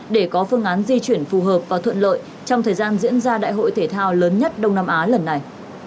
để có phương án di chuyển phù hợp và thuận lợi trong thời gian diễn ra đại hội thể thao lớn nhất đông nam á lần này